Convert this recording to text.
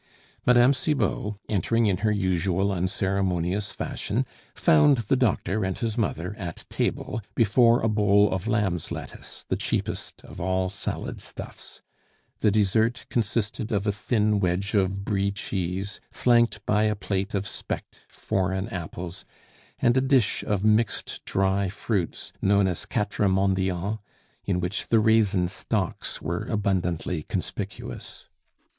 Mme. Cibot, entering in her usual unceremonious fashion, found the doctor and his mother at table, before a bowl of lamb's lettuce, the cheapest of all salad stuffs. The dessert consisted of a thin wedge of Brie cheese flanked by a plate of specked foreign apples and a dish of mixed dry fruits, known as quatre mendiants, in which the raisin stalks were abundantly conspicuous.